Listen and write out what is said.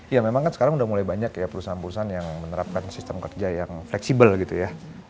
ya memang kan sekarang udah mulai banyak ya perusahaan perusahaan yang menerapkan sistem kerja yang fleksibel gitu ya